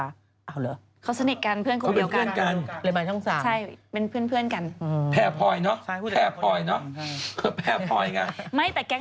เอาเหรอเขาสนิทกันเพื่อนคนเดียวกัน